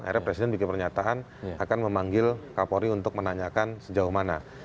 akhirnya presiden bikin pernyataan akan memanggil kapolri untuk menanyakan sejauh mana